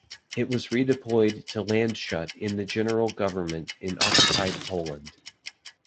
It was redeployed to Landshut in the General Government in occupied Poland.